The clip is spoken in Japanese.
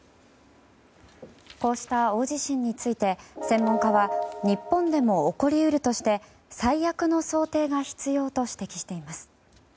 こうした大地震について専門家は日本でも起こり得るとして最悪の想定が必要と指摘しています。